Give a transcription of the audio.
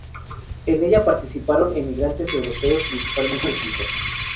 En ella participaron emigrantes europeos, principalmente suizos.